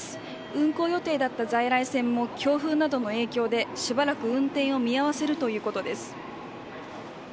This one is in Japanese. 運行予定だった在来線も強風などの影響でしばらく運転を見合わせるということです。